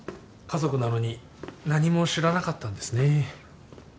家族なのに何も知らなかったんですね。